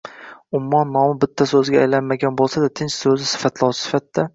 Ummon nomi bitta soʻzga aylanmagan boʻlsa-da, tinch soʻzi sifatlovchi vazifasida